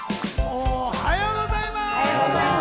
おはようございます。